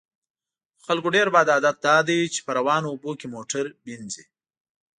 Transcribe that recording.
د خلکو ډیر بد عادت دا دی چې په روانو اوبو کې موټر وینځي